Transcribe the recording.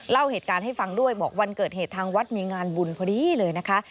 เล่าเหตุการณ์ให้ฟังด้วยบอกวันเกิดเหตุทางวัดมีงานบุญพอดีเลยนะคะ